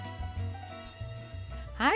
はい。